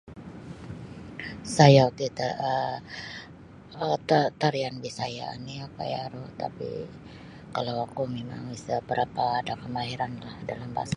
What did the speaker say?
Sayau ti um ta tarian Bisaya ni okoi aru tapi' kalau oku mimamg isa' barapa' ada' kamahiranlah dalam bahasa